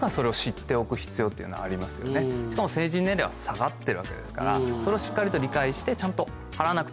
しかも成人年齢は下がってるわけですからそれをしっかりと理解してちゃんと。